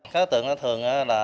các tượng thường không bao giờ